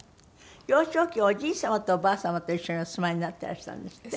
幼少期はおじい様とおばあ様と一緒にお住まいになっていらしたんですって？